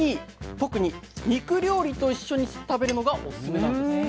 特に肉料理と一緒に食べるのがオススメなんです。